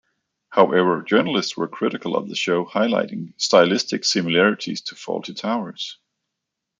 However, journalists were critical of the show, highlighting stylistic similarities to "Fawlty Towers".